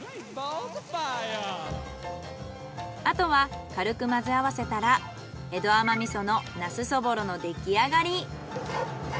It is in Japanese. あとは軽く混ぜ合わせたら江戸甘味噌のナスそぼろの出来上がり。